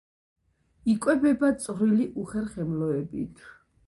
იკვებება წვრილი უხერხემლოებით.